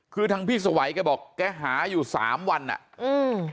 คือทางพี่สวัยแกบอกแกหาอยู่สามวันอ่ะอืม